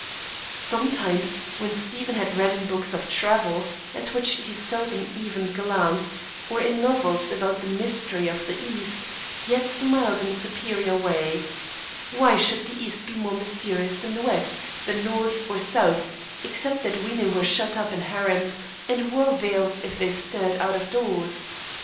Sometimes, when Stephen had read in books of travel (at which he seldom even glanced), or in novels, about "the mystery of the East," he had smiled in a superior way. Why should the East be more mysterious than the West, or North, or South, except that women were shut up in harems and wore veils if they stirred out of doors?